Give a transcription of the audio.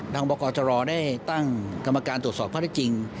ทางประกอบจรรย์ได้ตั้งกรรมการตรวจสอบพระราชจริง